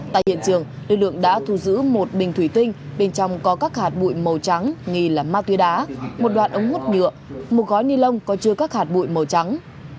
tại hiện trường lực lượng đã thu giữ một bình thủy tinh bên trong có các hạt bụi màu trắng nghi là ma túy đá một đoạn ống hút nhựa một gói ni lông có chứa các hạt bụi màu trắng